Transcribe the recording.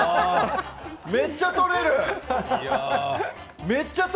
めっちゃ取れる！